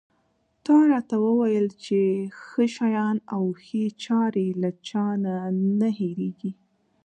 تا راته وویل چې ښه شیان او ښې چارې له چا نه نه هېرېږي.